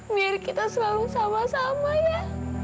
biar kita selalu sama sama ya